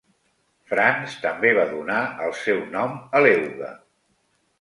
Franz també va donar el seu nom a l'euga.